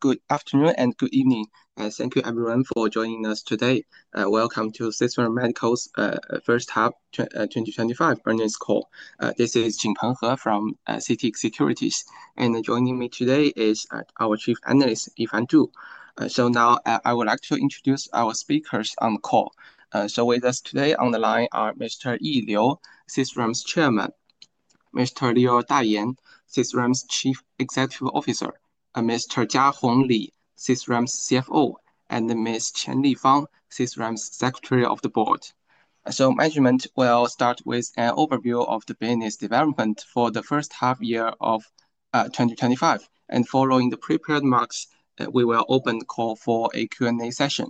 Good afternoon and good evening. Thank you, everyone, for joining us today. Welcome to Sisram Medical Ltd's First Half 2025 Earnings Call. This is Qin Peng from Citi Securities, and joining me today is our Chief Analyst, Yifan Zhu. I would like to introduce our speakers on the call. With us today on the line are Mr. Yi Liu, Sisram Medical Ltd's Chairman, Mr. Lior Dayan, Sisram Medical Ltd's Chief Executive Officer, Mr. Jiahong Li, Sisram Medical Ltd's Chief Financial Officer, and Ms. Qianli Fang, Sisram's Secretary of the Board. Management will start with an overview of the business development for the first half year of 2025, and following the prepared marks, we will open the call for a Q&A session.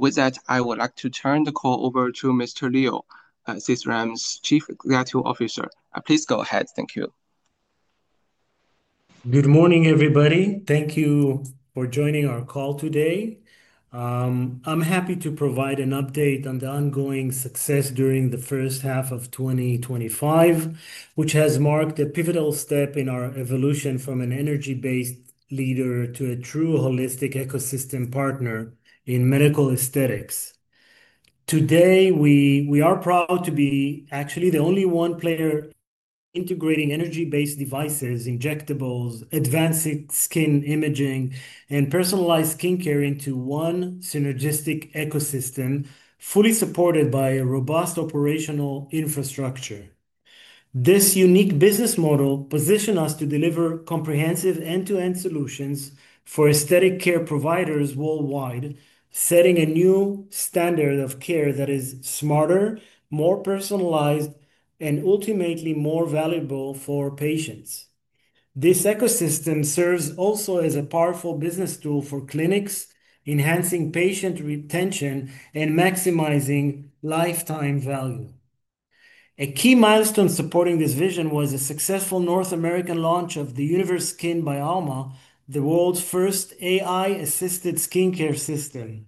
With that, I would like to turn the call over to Mr. Lior, Sisram Medical Ltd's Chief Executive Officer. Please go ahead. Thank you. Good morning, everybody. Thank you for joining our call today. I'm happy to provide an update on the ongoing success during the first half of 2025, which has marked a pivotal step in our evolution from an energy-based leader to a true holistic ecosystem partner in medical aesthetics. Today, we are proud to be actually the only one player integrating energy-based devices, injectables, advanced skin imaging, and personalized skincare into one synergistic ecosystem, fully supported by a robust operational infrastructure. This unique business model positions us to deliver comprehensive end-to-end solutions for aesthetic care providers worldwide, setting a new standard of care that is smarter, more personalized, and ultimately more valuable for patients. This ecosystem serves also as a powerful business tool for clinics, enhancing patient retention and maximizing lifetime value. A key milestone supporting this vision was the successful North American launch of the Universe Skin by Alma, the world's first AI-assisted skincare system.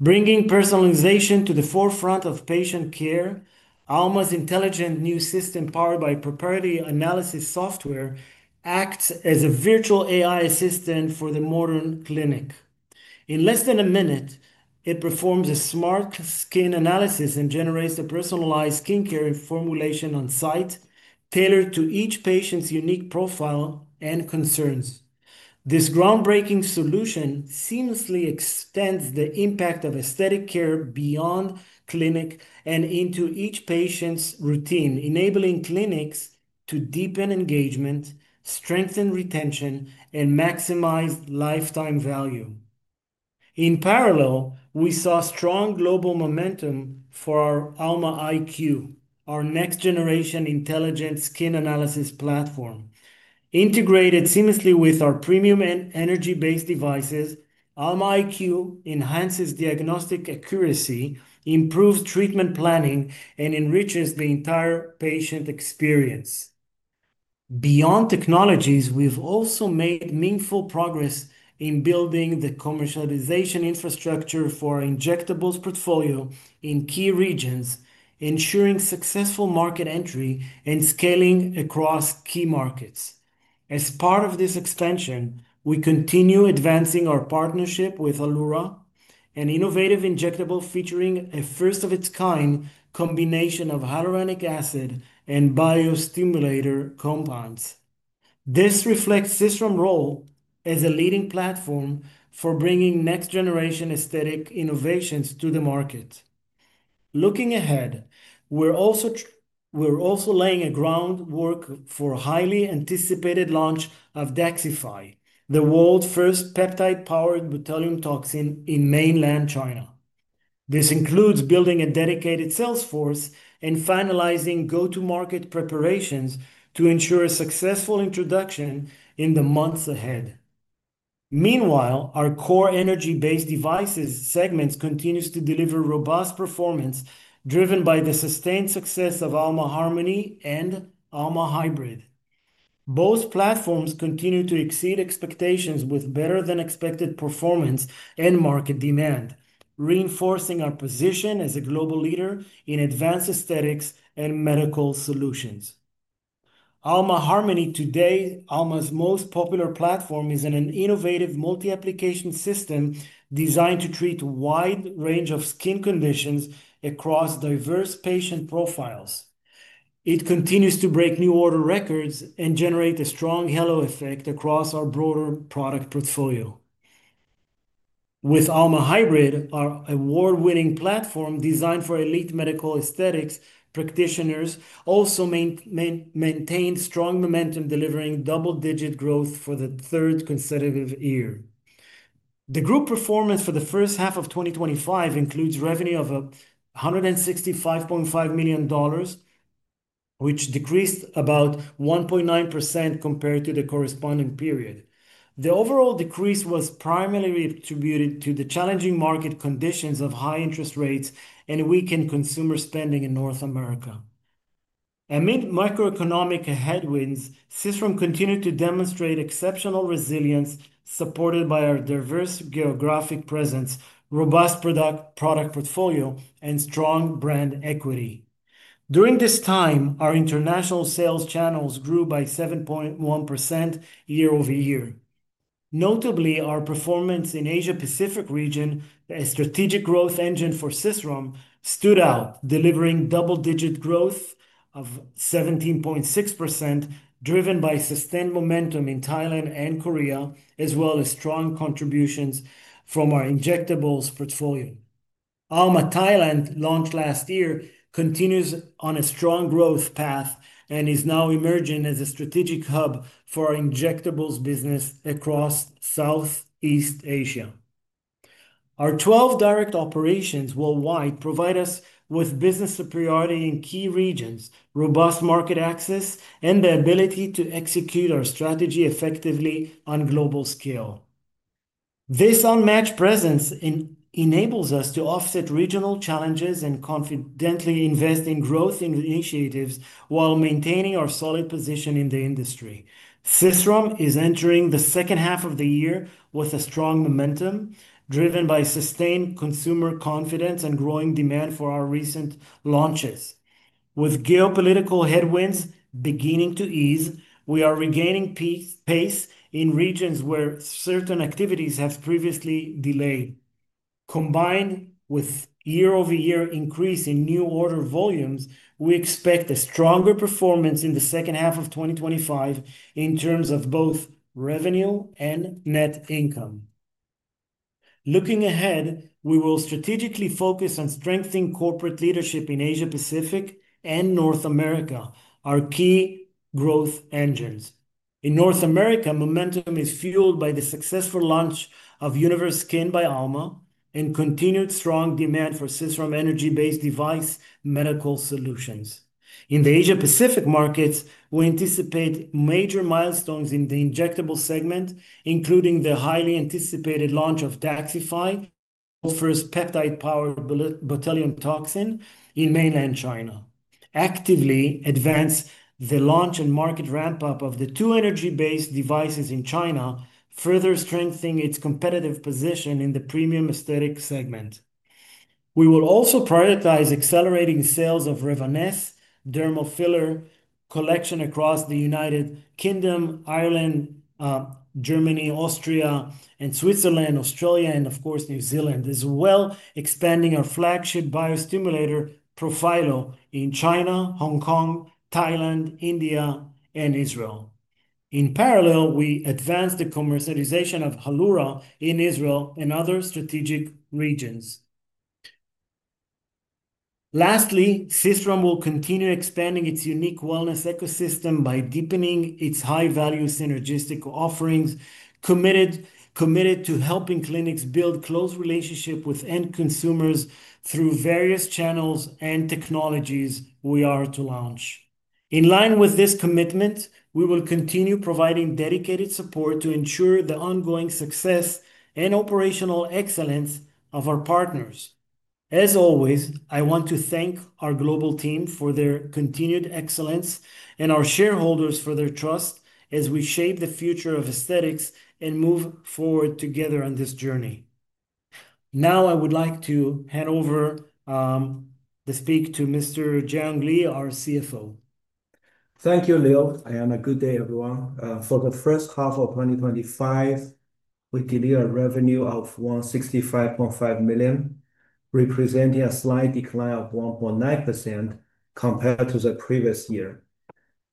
Bringing personalization to the forefront of patient care, Alma's intelligent new system, powered by a proprietary analysis software, acts as a virtual AI assistant for the modern clinic. In less than a minute, it performs a smart skin analysis and generates a personalized skincare formulation on site, tailored to each patient's unique profile and concerns. This groundbreaking solution seamlessly extends the impact of aesthetic care beyond clinic and into each patient's routine, enabling clinics to deepen engagement, strengthen retention, and maximize lifetime value. In parallel, we saw strong global momentum for our Alma iQ, our next-generation intelligent skin analysis platform. Integrated seamlessly with our premium and energy-based devices, Alma iQ enhances diagnostic accuracy, improves treatment planning, and enriches the entire patient experience. Beyond technologies, we've also made meaningful progress in building the commercialization infrastructure for our injectables portfolio in key regions, ensuring successful market entry and scaling across key markets. As part of this extension, we continue advancing our partnership with Alura, an innovative injectable featuring a first-of-its-kind combination of hyaluronic acid and biostimulator compounds. This reflects Sisram's role as a leading platform for bringing next-generation aesthetic innovations to the market. Looking ahead, we're also laying a groundwork for the highly anticipated launch of Daxxify, the world's first peptide-powered botulinum toxin in mainland China. This includes building a dedicated sales force and finalizing go-to-market preparations to ensure a successful introduction in the months ahead. Meanwhile, our core energy-based devices segment continues to deliver robust performance, driven by the sustained success of Alma Harmony and Alma Hybrid. Both platforms continue to exceed expectations with better-than-expected performance and market demand, reinforcing our position as a global leader in advanced aesthetics and medical solutions. Alma Harmony today, Alma's most popular platform, is an innovative multi-application system designed to treat a wide range of skin conditions across diverse patient profiles. It continues to break new order records and generate a strong halo effect across our broader product portfolio. With Alma Hybrid, our award-winning platform designed for elite medical aesthetics practitioners, also maintained strong momentum, delivering double-digit growth for the third consecutive year. The group performance for the first half of 2025 includes revenue of $165.5 million, which decreased about 1.9% compared to the corresponding period. The overall decrease was primarily attributed to the challenging market conditions of high interest rates and weakened consumer spending in North America. Amid microeconomic headwinds, Sisram continued to demonstrate exceptional resilience, supported by our diverse geographic presence, robust product portfolio, and strong brand equity. During this time, our international sales channels grew by 7.1% year-over-year. Notably, our performance in the Asia-Pacific region, a strategic growth engine for Sisram, stood out, delivering double-digit growth of 17.6%, driven by sustained momentum in Thailand and South Korea, as well as strong contributions from our injectables portfolio. Alma Thailand, launched last year, continues on a strong growth path and is now emerging as a strategic hub for our injectables business across Southeast Asia. Our 12 direct operations worldwide provide us with business superiority in key regions, robust market access, and the ability to execute our strategy effectively on a global scale. This unmatched presence enables us to offset regional challenges and confidently invest in growth initiatives while maintaining our solid position in the industry. Sisram Medical Ltd is entering the second half of the year with strong momentum, driven by sustained consumer confidence and growing demand for our recent launches. With geopolitical headwinds beginning to ease, we are regaining pace in regions where certain activities have previously delayed. Combined with year-over-year increase in new order volumes, we expect a stronger performance in the second half of 2025 in terms of both revenue and net income. Looking ahead, we will strategically focus on strengthening corporate leadership in Asia-Pacific and North America, our key growth engines. In North America, momentum is fueled by the successful launch of Universe Skin by Alma and continued strong demand for Sisram Medical Ltd energy-based device medical solutions. In the Asia-Pacific markets, we anticipate major milestones in the injectables segment, including the highly anticipated launch of Daxxify, the first peptide-powered botulinum toxin in mainland China. We actively advance the launch and market ramp-up of the two energy-based devices in China, further strengthening its competitive position in the premium aesthetic segment. We will also prioritize accelerating sales of Revanese, a dermal filler collection across the United Kingdom, Ireland, Germany, Austria, Switzerland, Australia, and of course, New Zealand, as well as expanding our flagship biostimulator Profhilo in China, Hong Kong, Thailand, India, and Israel. In parallel, we advance the commercialization of Alura in Israel and other strategic regions. Lastly, Sisram will continue expanding its unique wellness ecosystem by deepening its high-value synergistic offerings, committed to helping clinics build close relationships with end consumers through various channels and technologies we are to launch. In line with this commitment, we will continue providing dedicated support to ensure the ongoing success and operational excellence of our partners. As always, I want to thank our global team for their continued excellence and our shareholders for their trust as we shape the future of aesthetics and move forward together on this journey. Now, I would like to hand over the speech to Mr. Jiahong Li, our CFO. Thank you, Lior. A good day, everyone. For the first half of 2025, we delivered a revenue of $165.5 million, representing a slight decline of 1.9% compared to the previous year.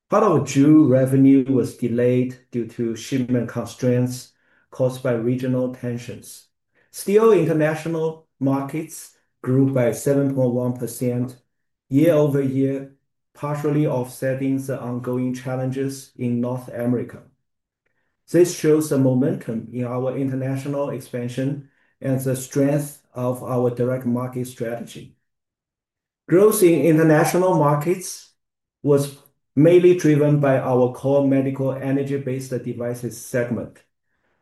Part of June revenue was delayed due to shipment constraints caused by regional tensions. Still, international markets grew by 7.1% year-over-year, partially offsetting the ongoing challenges in North America. This shows the momentum in our international expansion and the strength of our direct market strategy. Growth in international markets was mainly driven by our core medical energy-based devices segment,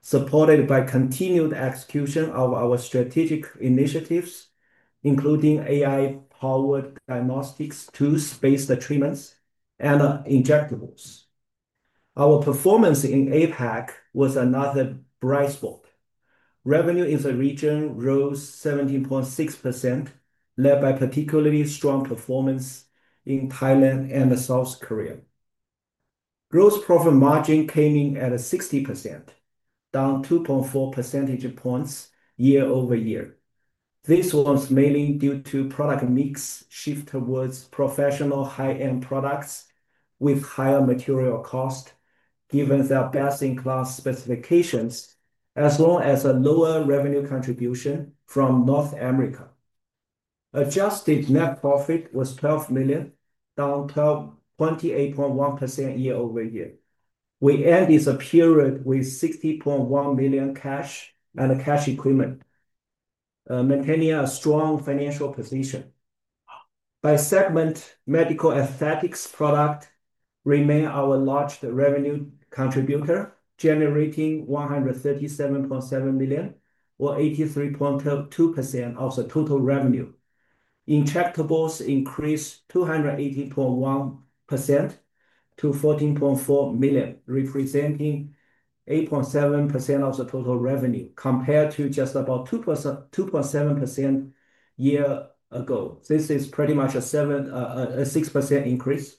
supported by continued execution of our strategic initiatives, including AI-powered diagnostics tools-based treatments and injectables. Our performance in APAC was another bright spot. Revenue in the region rose 17.6%, led by particularly strong performance in Thailand and South Korea. Gross profit margin came in at 60%, down 2.4 percentage points year-over-year. This was mainly due to product mix shifted towards professional high-end products with higher material costs, given the best-in-class specifications, as well as a lower revenue contribution from North America. Adjusted net profit was $12 million, down 28.1% year-over-year. We ended the period with $60.1 million cash and cash equivalent, maintaining a strong financial position. By segment, medical aesthetics products remain our largest revenue contributor, generating $137.7 million, or 83.2% of the total revenue. Injectables increased 218.1% to $14.4 million, representing 8.7% of the total revenue compared to just about 2.7% a year ago. This is pretty much a 6% increase.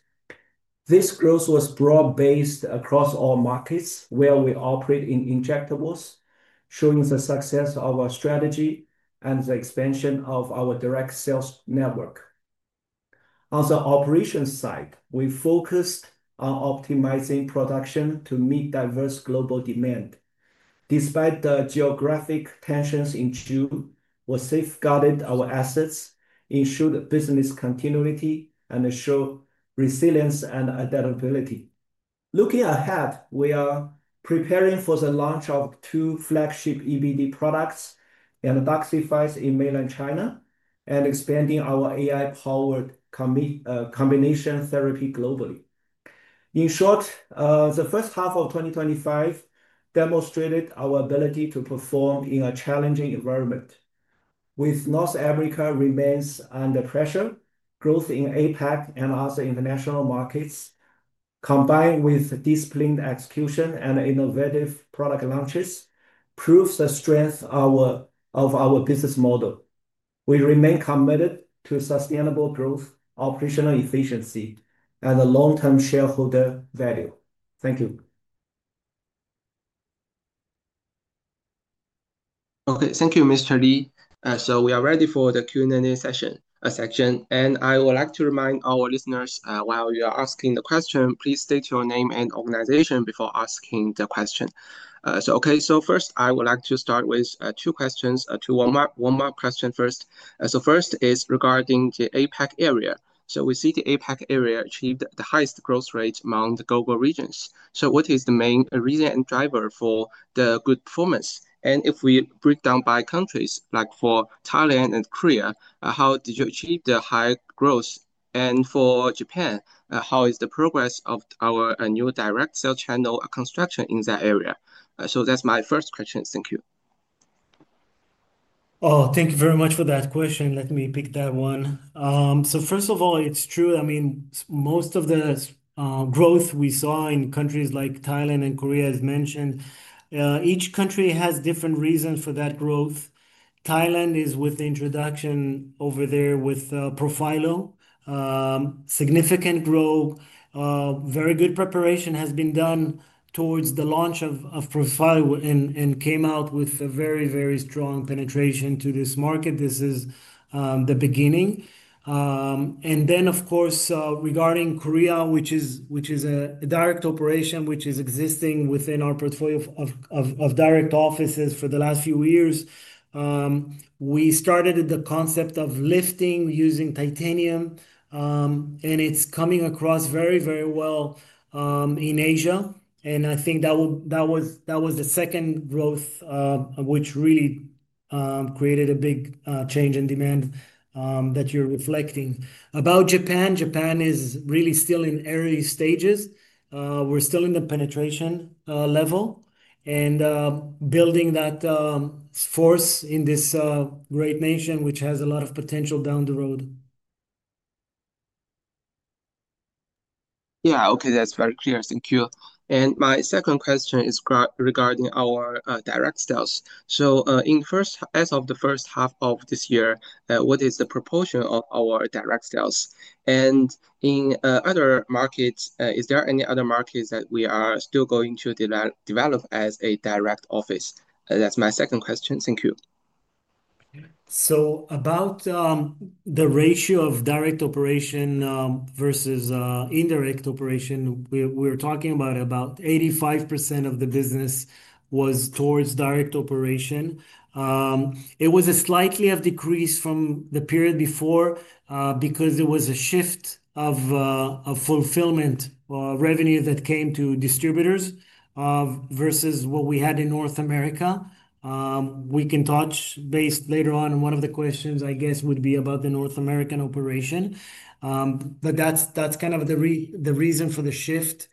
This growth was broad-based across all markets where we operate in injectables, showing the success of our strategy and the expansion of our direct sales network. On the operations side, we focused on optimizing production to meet diverse global demand. Despite the geographic tensions in June, we safeguarded our assets, ensured business continuity, and showed resilience and adaptability. Looking ahead, we are preparing for the launch of two flagship EBD products: Daxxify in mainland China and expanding our AI-powered combination therapy globally. In short, the first half of 2025 demonstrated our ability to perform in a challenging environment. With North America remaining under pressure, growth in APAC and other international markets, combined with disciplined execution and innovative product launches, proves the strength of our business model. We remain committed to sustainable growth, operational efficiency, and long-term shareholder value. Thank you. Thank you, Mr. Li. We are ready for the Q&A session. I would like to remind our listeners, while you are asking the question, please state your name and organization before asking the question. First, I would like to start with two questions, two warm-up questions. The first is regarding the APAC area. We see the APAC area achieved the highest growth rate among the global regions. What is the main reason and driver for the good performance? If we break down by countries, like for Thailand and South Korea, how did you achieve the high growth? For Japan, how is the progress of our new direct sale channel construction in that area? That's my first question. Thank you. Thank you very much for that question. Let me pick that one. First of all, it's true. Most of the growth we saw in countries like Thailand and South Korea, as mentioned, each country has different reasons for that growth. Thailand is with the introduction over there with Profhilo, significant growth. Very good preparation has been done towards the launch of Profhilo and came out with a very, very strong penetration to this market. This is the beginning. Of course, regarding South Korea, which is a direct operation existing within our portfolio of direct offices for the last few years, we started the concept of lifting using titanium, and it's coming across very, very well in Asia. I think that was the second growth which really created a big change in demand that you're reflecting. About Japan, Japan is really still in early stages. We're still in the penetration level and building that force in this great nation which has a lot of potential down the road. Yeah. Okay, that's very clear. Thank you. My second question is regarding our direct sales. In the first half of this year, what is the proportion of our direct sales? In other markets, is there any other markets that we are still going to develop as a direct office? That's my second question. Thank you. About the ratio of direct operation versus indirect operation, we're talking about 85% of the business was towards direct operation. It was a slight decrease from the period before because there was a shift of fulfillment revenue that came to distributors versus what we had in North America. We can touch base later on one of the questions, I guess, would be about the North American operation. That's the reason for the shift.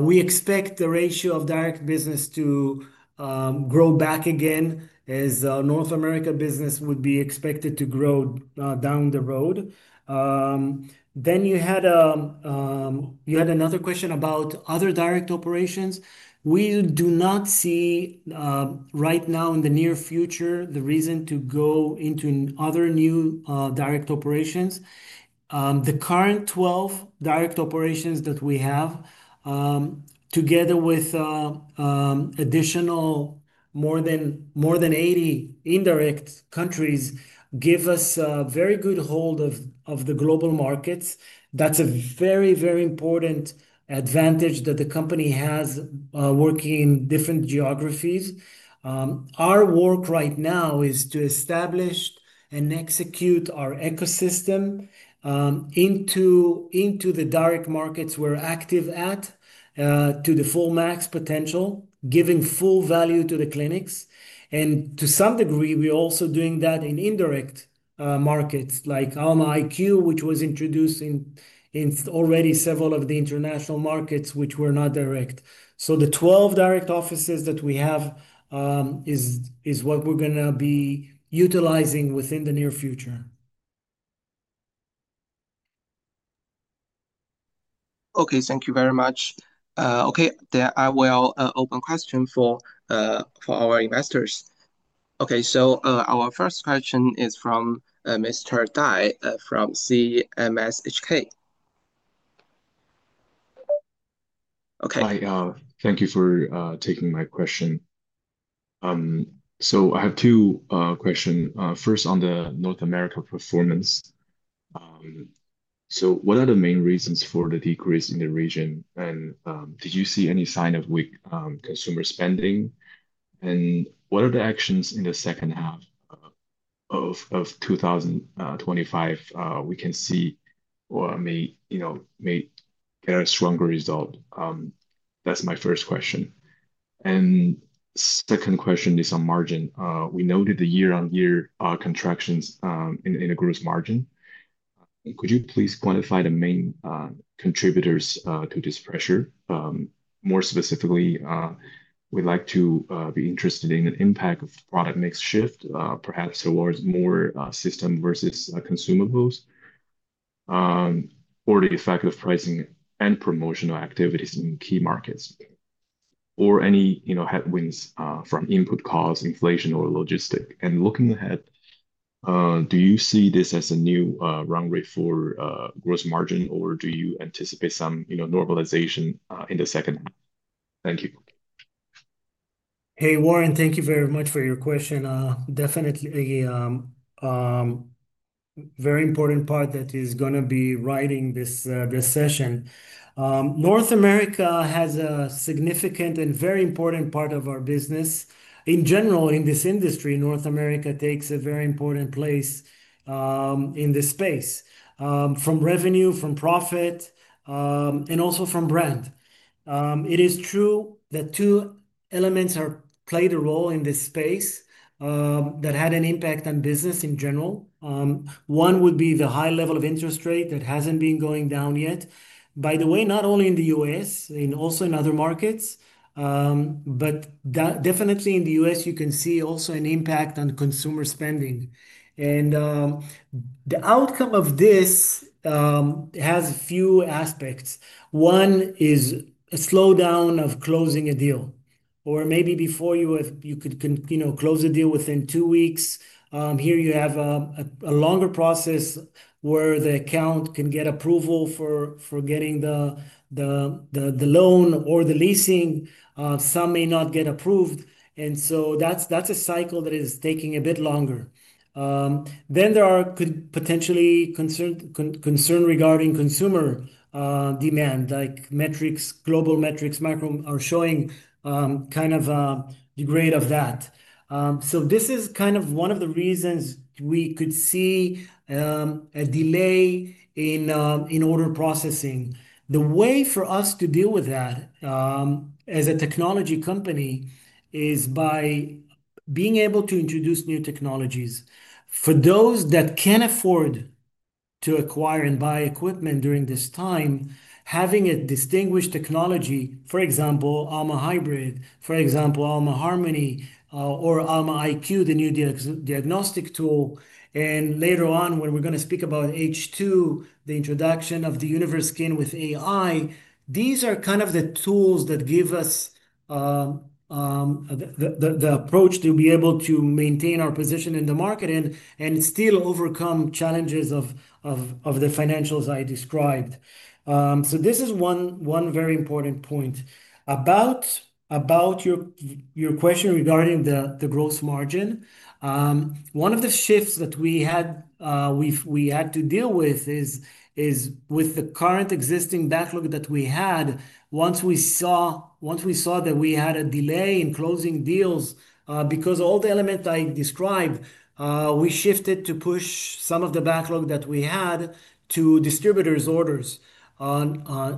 We expect the ratio of direct business to grow back again as North America business would be expected to grow down the road. You had another question about other direct operations. We do not see right now in the near future the reason to go into other new direct operations. The current 12 direct operations that we have, together with additional more than 80 indirect countries, give us a very good hold of the global markets. That's a very, very important advantage that the company has working in different geographies. Our work right now is to establish and execute our ecosystem into the direct markets we're active at to the full max potential, giving full value to the clinics. To some degree, we're also doing that in indirect markets like Alma iQ, which was introduced in already several of the international markets which were not direct. The 12 direct offices that we have is what we're going to be utilizing within the near future. Okay. Thank you very much. I will open questions for our investors. Our first question is from Mr. Dai from CMSHK. Hi, thank you for taking my question. I have two questions. First, on the North America performance, what are the main reasons for the decrease in the region? Did you see any sign of weak consumer spending? What are the actions in the second half of 2025 we can see or may get a stronger result? That's my first question. The second question is on margin. We noted the year-on-year contractions in the gross profit margin. Could you please quantify the main contributors to this pressure? More specifically, we'd like to be interested in the impact of product mix shift, perhaps towards more system versus consumables, or the effect of pricing and promotional activities in key markets, or any headwinds from input costs, inflation, or logistics. Looking ahead, do you see this as a new run rate for gross profit margin, or do you anticipate some normalization in the second half? Thank you. Hey, Warren, thank you very much for your question. Definitely a very important part that is going to be riding this session. North America has a significant and very important part of our business. In general, in this industry, North America takes a very important place in this space from revenue, from profit, and also from brand. It is true that two elements played a role in this space that had an impact on business in general. One would be the high level of interest rate that hasn't been going down yet. By the way, not only in the U.S. and also in other markets, but definitely in the U.S., you can see also an impact on consumer spending. The outcome of this has a few aspects. One is a slowdown of closing a deal, or maybe before you could close a deal within two weeks. Here you have a longer process where the account can get approval for getting the loan or the leasing. Some may not get approved. That's a cycle that is taking a bit longer. There are potentially concerns regarding consumer demand, like metrics, global metrics, micro are showing kind of a degrade of that. This is kind of one of the reasons we could see a delay in order processing. The way for us to deal with that as a technology company is by being able to introduce new technologies. For those that can't afford to acquire and buy equipment during this time, having a distinguished technology, for example, Alma Hybrid, for example, Alma Harmony, or Alma iQ, the new diagnostic tool. Later on, when we're going to speak about H2, the introduction of the Universe Skin with AI, these are kind of the tools that give us the approach to be able to maintain our position in the market and still overcome challenges of the financials I described. This is one very important point. About your question regarding the gross margin, one of the shifts that we had to deal with is with the current existing backlog that we had. Once we saw that we had a delay in closing deals because of all the elements I described, we shifted to push some of the backlog that we had to distributors' orders.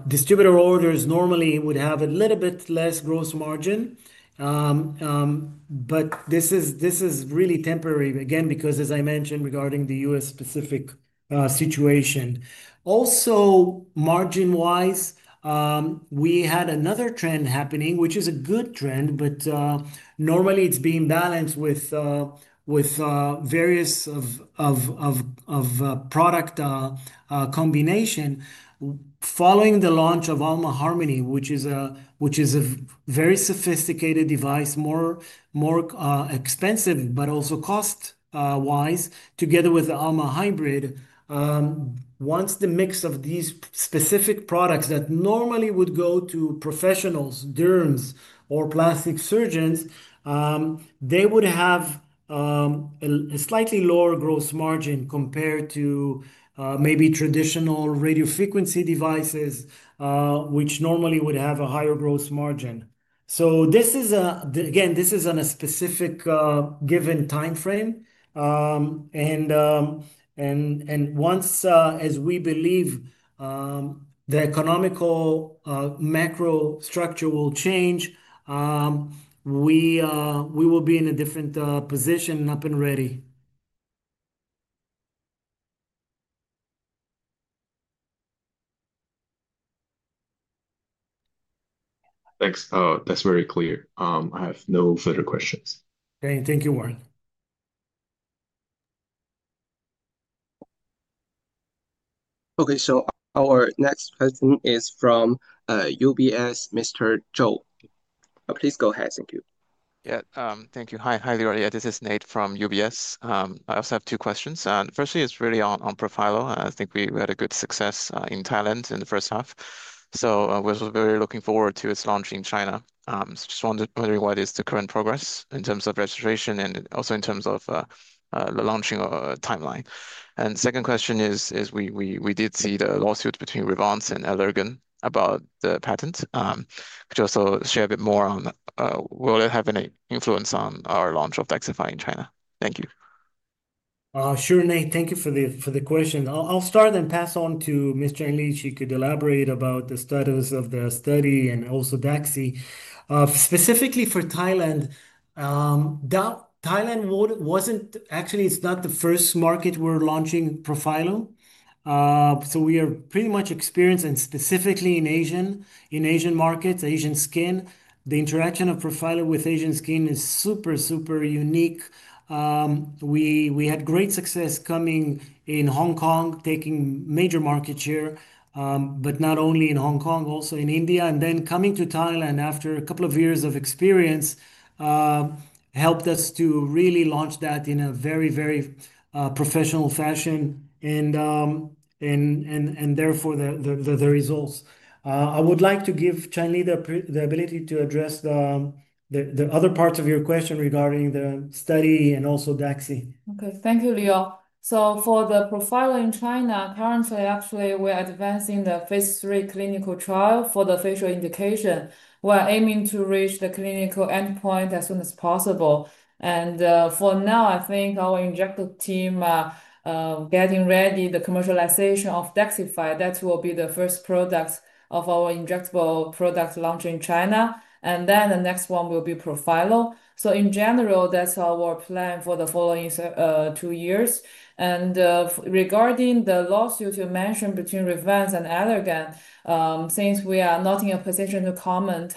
Distributor orders normally would have a little bit less gross margin. This is really temporary, again, because, as I mentioned, regarding the U.S.-specific situation. Also, margin-wise, we had another trend happening, which is a good trend, but normally it's being balanced with various product combinations. Following the launch of Alma Harmony, which is a very sophisticated device, more expensive, but also cost-wise, together with Alma Hybrid, once the mix of these specific products that normally would go to professionals, derms, or plastic surgeons, they would have a slightly lower gross margin compared to maybe traditional radiofrequency devices, which normally would have a higher gross margin. This is, again, on a specific given timeframe. Once, as we believe, the economical macro structure will change, we will be in a different position and up and ready. Thanks. Oh, that's very clear. I have no further questions. Okay. Thank you, Warren. Okay. Our next question is from UBS, Mr. Cho. Please go ahead. Thank you. Yeah. Thank you. Hi, Yi and Lior. This is Nate from UBS. I also have two questions. Firstly, it's really on Profhilo. I think we had a good success in Thailand in the first half. We're very looking forward to its launch in China. I'm wondering what is the current progress in terms of registration and also in terms of launching a timeline. The second question is, we did see the lawsuit between Revance and Allergan about the patent. Could you also share a bit more on will it have any influence on our launch of Daxxify in China? Thank you. Sure, Nate. Thank you for the question. I'll start and pass on to Mr. Li. If you could elaborate about the status of the study and also Daxify. Specifically for Thailand, Thailand wasn't actually, it's not the first market we're launching Profhilo. We are pretty much experienced, and specifically in Asian markets, Asian skin. The interaction of Profhilo with Asian skin is super, super unique. We had great success coming in Hong Kong, taking major market share, not only in Hong Kong, also in India. Coming to Thailand after a couple of years of experience helped us to really launch that in a very, very professional fashion. Therefore, the results. I would like to give Chinese the ability to address the other parts of your question regarding the study and also Daxify. Okay. Thank you, Lior. For the Profhilo in China, currently, we're advancing the phase three clinical trial for the facial indication. We're aiming to reach the clinical endpoint as soon as possible. Our injectable team is getting ready for the commercialization of Daxxify. That will be the first product of our injectable products launched in China, and the next one will be Profhilo. In general, that's our plan for the following two years. Regarding the lawsuit you mentioned between Revance and Allergan, since we are not in a position to comment,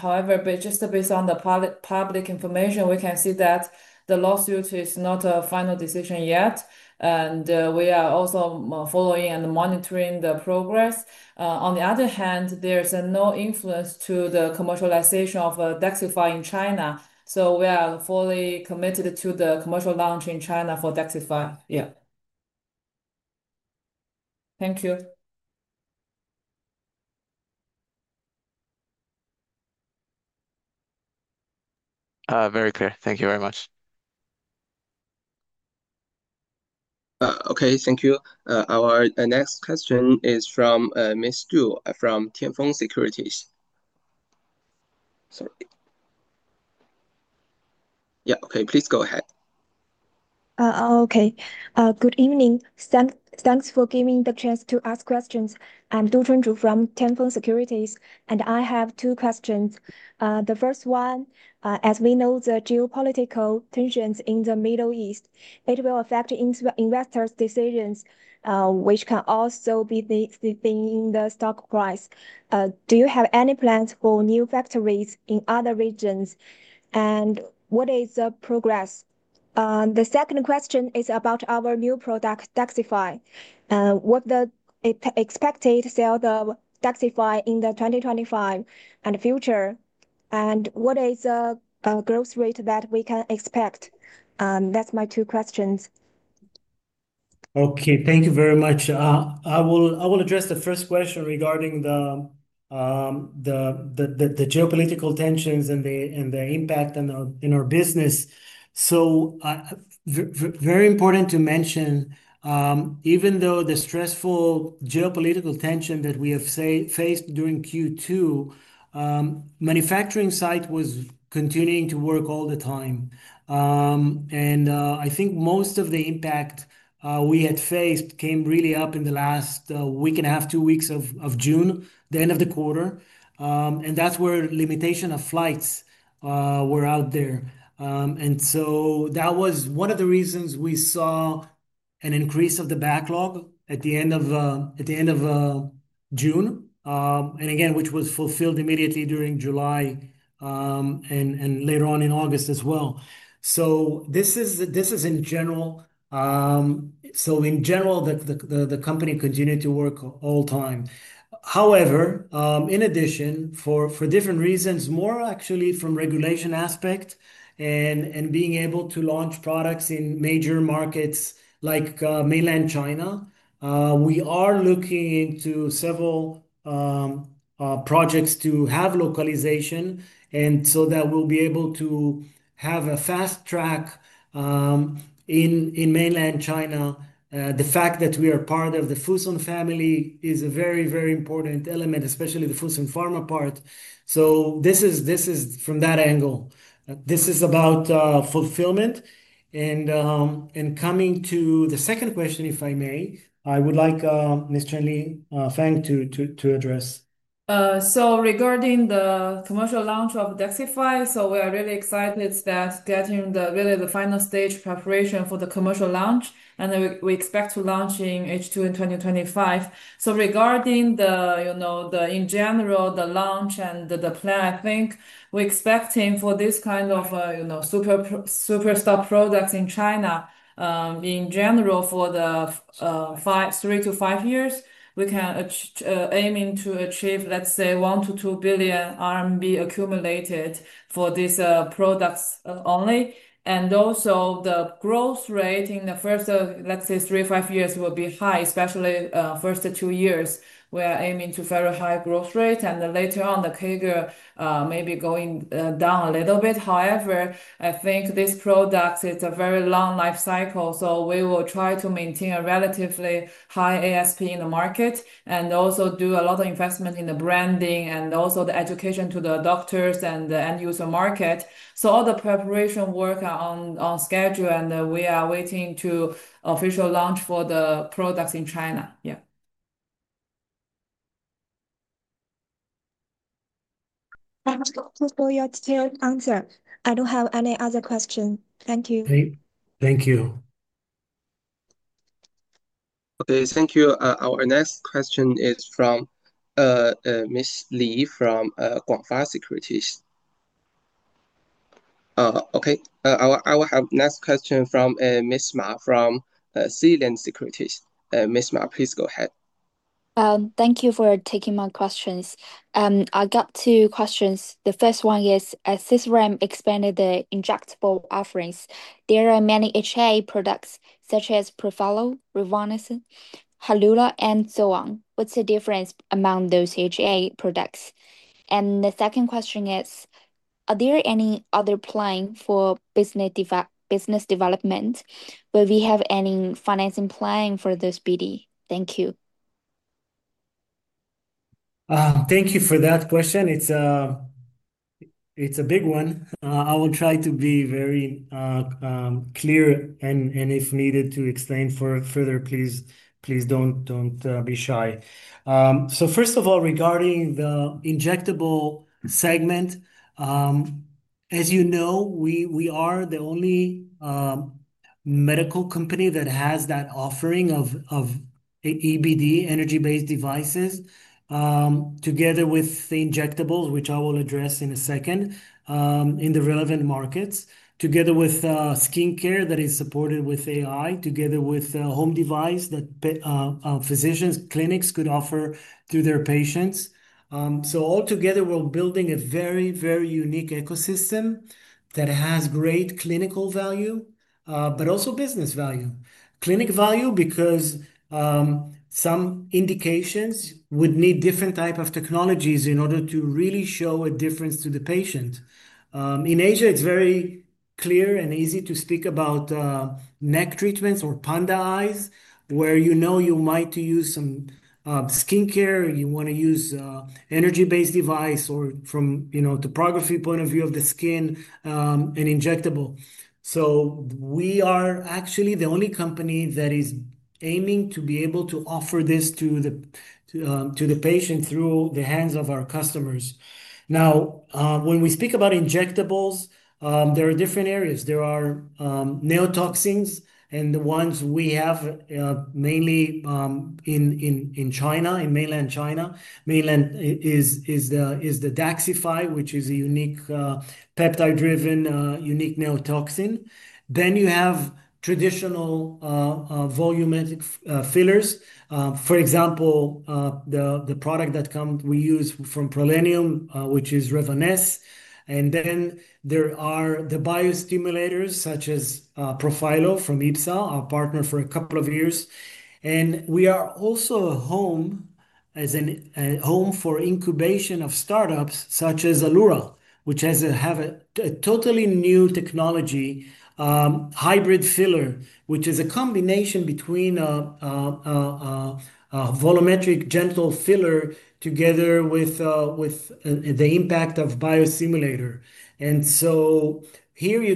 just based on the public information, we can see that the lawsuit is not a final decision yet. We are also following and monitoring the progress. On the other hand, there's no influence to the commercialization of Daxxify in China. We are fully committed to the commercial launch in China for Daxxify. Yeah. Thank you. Very clear. Thank you very much. Okay. Thank you. Our next question is from Ms. Du from Tianfeng Securities. Please go ahead. Oh, okay. Good evening. Thanks for giving the chance to ask questions. I'm Du Chunju from Tianfeng Securities, and I have two questions. The first one, as we know, the geopolitical tensions in the Middle East, it will affect investors' decisions, which can also be seen in the stock price. Do you have any plans for new factories in other regions, and what is the progress? The second question is about our new product, Daxxify. What's the expected sale of Daxxify in 2025 and future, and what is the growth rate that we can expect? That's my two questions. Okay. Thank you very much. I will address the first question regarding the geopolitical tensions and the impact in our business. It is very important to mention, even though the stressful geopolitical tension that we have faced during Q2, the manufacturing site was continuing to work all the time. I think most of the impact we had faced came really up in the last week and a half, two weeks of June, the end of the quarter. That is where the limitation of flights were out there. That was one of the reasons we saw an increase of the backlog at the end of June, which was fulfilled immediately during July and later on in August as well. In general, the company continued to work all the time. However, in addition, for different reasons, more actually from a regulation aspect and being able to launch products in major markets like mainland China, we are looking into several projects to have localization so that we'll be able to have a fast track in mainland China. The fact that we are part of the Fosun family is a very, very important element, especially the Fosun Pharma part. This is from that angle. This is about fulfillment. Coming to the second question, if I may, I would like Ms. Qianli Fang to address. Regarding the commercial launch of Daxxify, we are really excited that we are getting to the final stage of preparation for the commercial launch, and we expect to launch in H2 2025. Regarding, you know, in general, the launch and the plan, I think we're expecting for this kind of superstar products in China, in general, for the three to five years, we can aim to achieve, let's say, ¥1 billion to ¥2 billion accumulated for these products only. Also, the growth rate in the first, let's say, three to five years will be high, especially the first two years. We are aiming to very high growth rates. Later on, the CAGR may be going down a little bit. However, I think this product has a very long life cycle, so we will try to maintain a relatively high ASP in the market and also do a lot of investment in the branding and also the education to the doctors and the end-user market. All the preparation work is on schedule, and we are waiting for the official launch for the products in China. Yeah. Thank you for your detailed answer. I don't have any other questions. Thank you. Okay, thank you. Okay. Thank you. Our next question is from Ms. Li from Guangfa Securities. Our next question is from Ms. Ma from Sealand Securities. Ms. Ma, please go ahead. Thank you for taking my questions. I got two questions. The first one is, as Sisram expanded their injectable offerings, there are many HA products such as Profhilo, Revance, Helula, and so on. What's the difference among those HA products? The second question is, are there any other plans for business development? Will we have any financing plan for this BD? Thank you. Thank you for that question. It's a big one. I will try to be very clear and, if needed, to explain further. Please, please don't be shy. First of all, regarding the injectable segment, as you know, we are the only medical company that has that offering of energy-based devices together with the injectables, which I will address in a second, in the relevant markets, together with skincare that is supported with AI, together with a home device that physicians' clinics could offer to their patients. Altogether, we're building a very, very unique ecosystem that has great clinical value, but also business value. Clinic value because some indications would need different types of technologies in order to really show a difference to the patient. In Asia, it's very clear and easy to speak about neck treatments or panda eyes where you know you might use some skincare or you want to use an energy-based device or from a topography point of view of the skin, an injectable. We are actually the only company that is aiming to be able to offer this to the patient through the hands of our customers. When we speak about injectables, there are different areas. There are neotoxins, and the ones we have mainly in China, in mainland China, is the Daxxify, which is a unique peptide-driven, unique neotoxin. Then you have traditional volumetric fillers. For example, the product that we use from Prelenium, which is Revanese. There are the biostimulators such as Profhilo from IPSA, our partner for a couple of years. We are also a home for incubation of startups such as Alura, which has a totally new technology, hybrid filler, which is a combination between a volumetric gentle filler together with the impact of biostimulator. Here you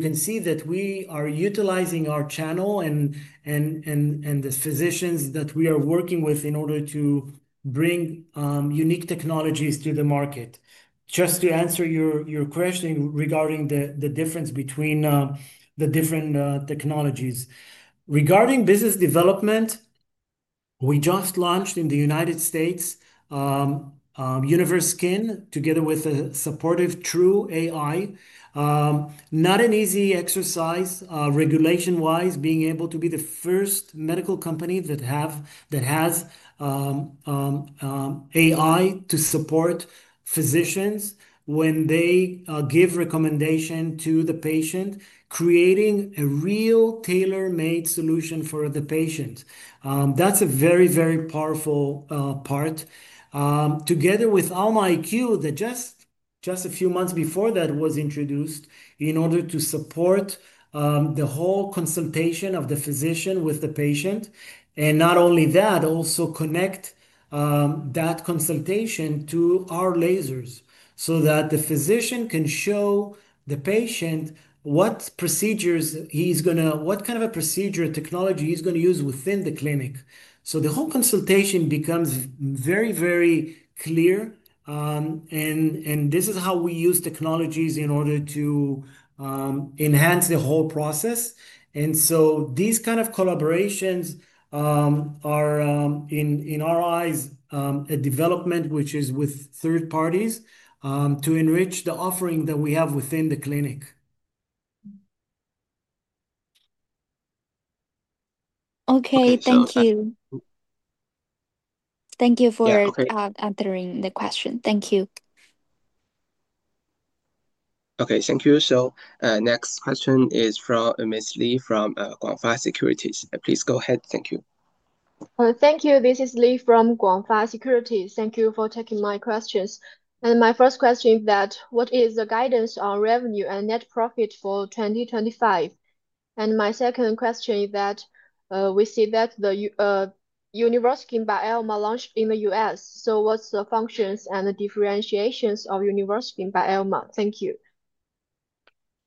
can see that we are utilizing our channel and the physicians that we are working with in order to bring unique technologies to the market. To answer your question regarding the difference between the different technologies. Regarding business development, we just launched in the United States Universe Skin together with a supportive TrueAI. Not an easy exercise regulation-wise, being able to be the first medical company that has AI to support physicians when they give recommendations to the patient, creating a real tailor-made solution for the patient. That's a very, very powerful part. Together with Alma iQ, just a few months before that was introduced in order to support the whole consultation of the physician with the patient. Not only that, it also connects that consultation to our lasers so that the physician can show the patient what kind of a procedure technology he's going to use within the clinic. The whole consultation becomes very, very clear. This is how we use technologies in order to enhance the whole process. These kinds of collaborations are, in our eyes, a development which is with third parties to enrich the offering that we have within the clinic. Okay. Thank you. Thank you for answering the question. Thank you. Okay. Thank you. Next question is from Ms. Li from Guangfa Securities. Please go ahead. Thank you. Thank you. This is Li from Guangfa Securities. Thank you for taking my questions. My first question is what is the guidance on revenue and net profit for 2025? My second question is we see that the Universe Skin by Alma launched in the U.S. What are the functions and the differentiations of Universe Skin by Alma? Thank you.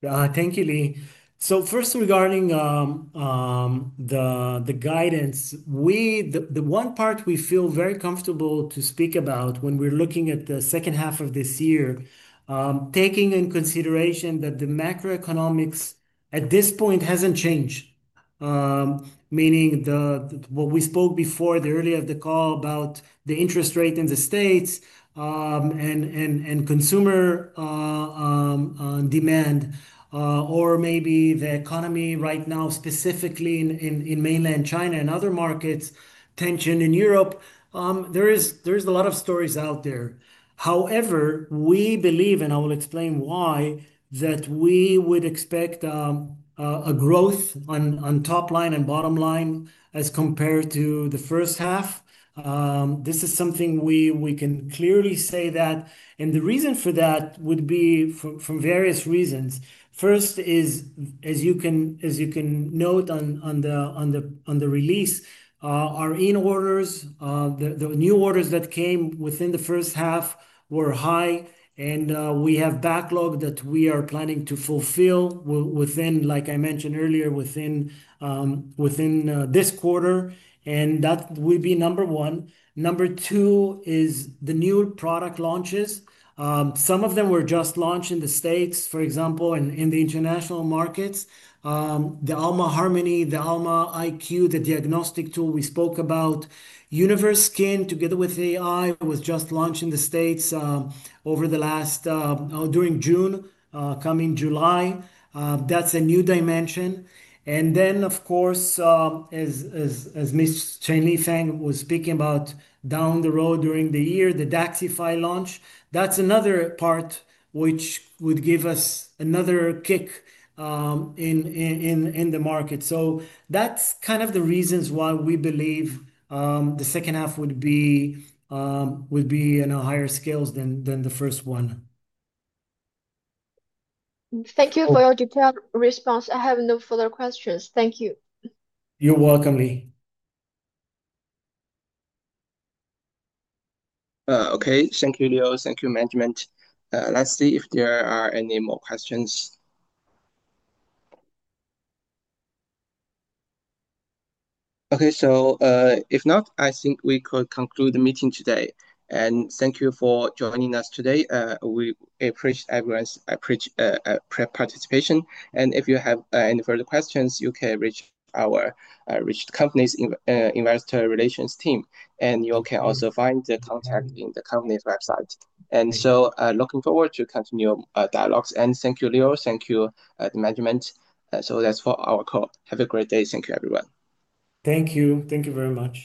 Thank you, Li. First, regarding the guidance, the one part we feel very comfortable to speak about when we're looking at the second half of this year, taking in consideration that the macroeconomics at this point hasn't changed, meaning what we spoke before earlier in the call about the interest rate in the States and consumer demand, or maybe the economy right now specifically in mainland China and other markets, tension in Europe. There are a lot of stories out there. However, we believe, and I will explain why, that we would expect a growth on top line and bottom line as compared to the first half. This is something we can clearly say. The reason for that would be from various reasons. First is, as you can note on the release, our in-orders, the new orders that came within the first half were high. We have backlogs that we are planning to fulfill, like I mentioned earlier, within this quarter. That would be number one. Number two is the new product launches. Some of them were just launched in the States, for example, and in the international markets. The Alma Harmony, the Alma iQ, the diagnostic tool we spoke about, Universe Skin together with AI was just launched in the States during June, coming July. That's a new dimension. Of course, as Ms. Qianli Fang was speaking about down the road during the year, the Daxxify launch, that's another part which would give us another kick in the market. That is kind of the reasons why we believe the second half would be in a higher scale than the first one. Thank you for your detailed response. I have no further questions. Thank you. You're welcome, Li. Okay. Thank you, Lior. Thank you, management. Let's see if there are any more questions. If not, I think we could conclude the meeting today. Thank you for joining us today. We appreciate everyone's participation. If you have any further questions, you can reach our company's investor relations team. You can also find the contact on the company's website. Looking forward to continuing dialogues. Thank you, Lior. Thank you, the management. That's for our call. Have a great day. Thank you, everyone. Thank you. Thank you very much.